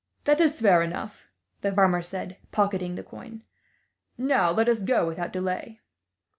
"That is fair enough," the farmer said, pocketing the coin. "Now, let us go without delay."